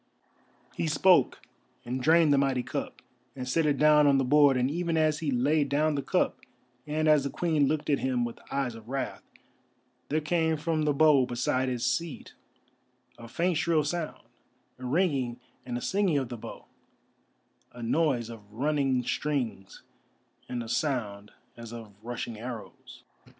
_" He spoke, and drained the mighty cup, and set it down on the board, and even as he laid down the cup, and as the Queen looked at him with eyes of wrath, there came from the bow beside his seat a faint shrill sound, a ringing and a singing of the bow, a noise of running strings and a sound as of rushing arrows.